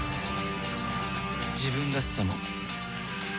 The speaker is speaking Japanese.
自分らしさも